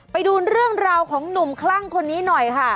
ไปดูเรื่องราวของหนุ่มคลั่งคนนี้หน่อยค่ะ